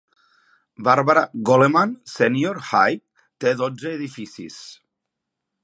Barbara Goleman Senior High té dotze edificis.